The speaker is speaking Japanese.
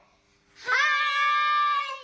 はい！